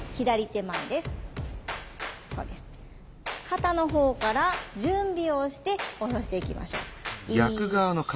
肩の方から準備をしておろしていきましょう。